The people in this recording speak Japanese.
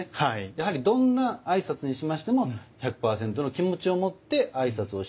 やはりどんな挨拶にしましても１００％の気持ちを持って挨拶をして頂く。